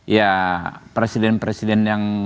ya presiden presiden yang